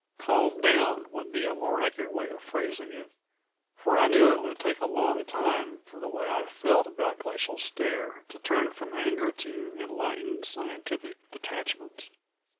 Calm down would be a more accurate way of phrasing it, for I knew it would take a long time for the way I felt about Glacial Stare to turn from anger to enlightened scientific detachment.